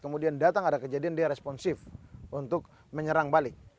kemudian datang ada kejadian dia responsif untuk menyerang balik